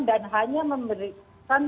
dan hanya memberikan